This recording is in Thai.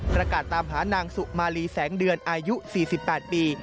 ประกาศตามหานางสุมาลีแสงเดือนอายุ๔๘ปี